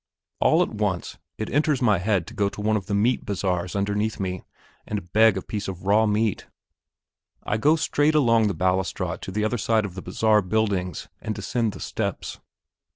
All at once, it enters my head to go to one of the meat bazaars underneath me, and beg a piece of raw meat. I go straight along the balustrade to the other side of the bazaar buildings, and descend the steps.